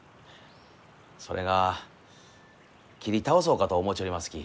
それが切り倒そうかと思うちょりますき。